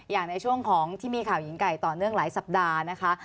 อย่างในช่วงของที่มีข่าวหญิงไก่ต่อเนื่องหลายสัปดาห์นะคะ